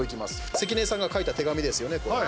関根さんが書いた手紙ですよね。